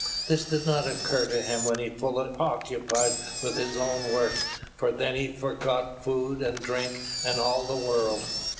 This did not occur to him when fully occupied with his own work, for then he forgot food and drink and all the world.